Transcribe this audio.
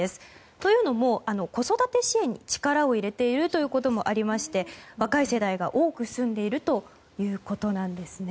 というのも、子育て支援に力を入れているということもあって若い世代が多く住んでいるということです。